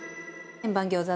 円盤餃子。